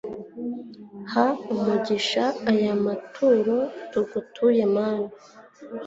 ha umugisha aya maturo, tugutuye mana